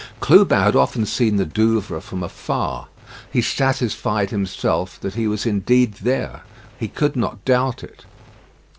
Clubin had often seen the Douvres from afar. He satisfied himself that he was indeed there. He could not doubt it.